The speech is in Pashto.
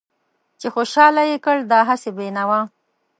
چې خوشحال يې کړ دا هسې بې نوا